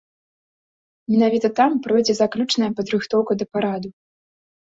Менавіта там пройдзе заключная падрыхтоўка да параду.